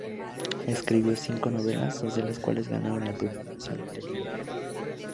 Escribió cinco novelas, dos de las cuales ganaron el Premio Nacional del Libro.